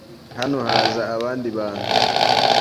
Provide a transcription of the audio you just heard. Hano haza abandi bantu.